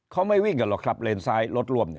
เขาไม่วิ่งกันหรอกครับเลนซ้ายรถร่วม